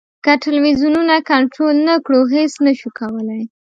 که ټلویزیونونه کنټرول نه کړو هېڅ نه شو کولای.